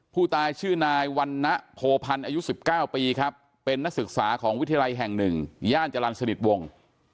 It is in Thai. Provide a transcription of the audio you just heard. ผู้ตายชื่อนายวันนะโพพันธ์อายุ๑๙ปีครับเป็นนักศึกษาของวิทยาลัยแห่ง๑ย่านจรรย์สนิทวงศ์